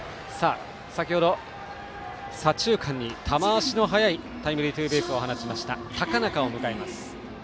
先程、左中間に球足の速いタイムリーツーベースを放った高中を迎えます。